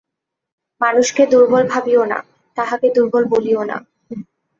মানুষকে দুর্বল ভাবিও না, তাহাকে দুর্বল বলিও না।